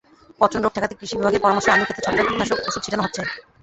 পচন রোগ ঠেকাতে কৃষি বিভাগের পরামর্শে আলুখেতে ছত্রাকনাশক ওষুধ ছিটানো হচ্ছে।